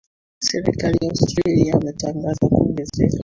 serikali australia ametangaza kuongezeka